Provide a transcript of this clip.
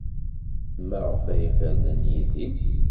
Maɣef ay fernen Yidir?